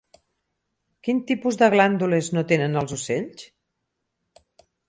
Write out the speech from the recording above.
Quin tipus de glàndules no tenen els ocells?